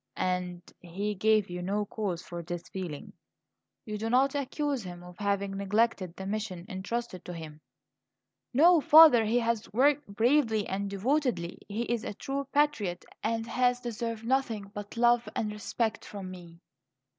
"And he gave you no cause for this feeling? You do not accuse him of having neglected the mission intrusted to him?" "No, father; he has worked bravely and devotedly; he is a true patriot and has deserved nothing but love and respect from me."